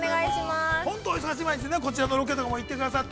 ◆本当お忙しい毎日、こっちのロケも行ってくださって。